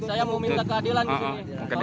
saya mau minta keadilan disini